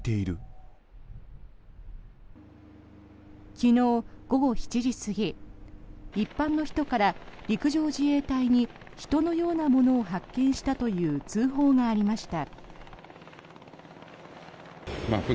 昨日午後７時過ぎ一般の人から陸上自衛隊に人のようなものを発見したという通報がありました。